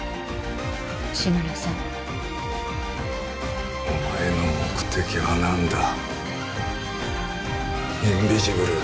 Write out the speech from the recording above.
志村さんお前の目的は何だ？